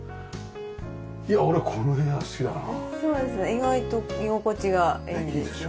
意外と居心地がいいんですよね